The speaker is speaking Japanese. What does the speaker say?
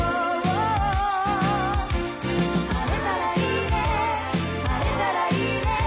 「晴れたらいいね晴れたらいいね」